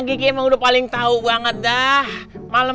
ketika anak tidur itu adalah